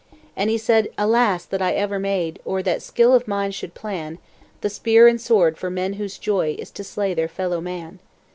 And he said "Alas! that I ever made, Or that skill of mine should plan, The spear and the sword for men whose joy Is to slay their fellow man!"